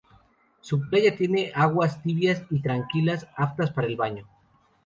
Su playa tiene aguas tibias y tranquilas, aptas para el baño.